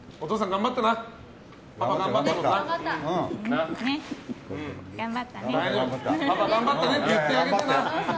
頑張ったねって言ってあげてな。